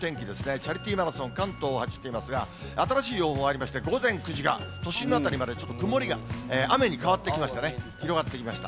チャリティーマラソン、関東を走っていますが、新しい情報入りまして、午前９時が都心の辺りまで、ちょっと曇りが雨に変わってきましたね、広がってきました。